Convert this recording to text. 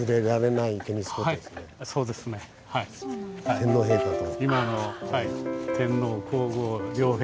天皇陛下と。